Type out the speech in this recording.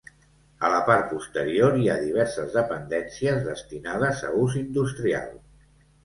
A la part posterior hi ha diverses dependències destinades a ús industrial.